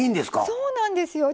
そうなんですよ。